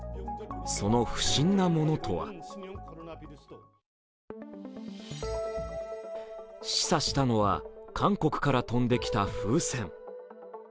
その不審なものとは示唆したのは、韓国から飛んできた風船。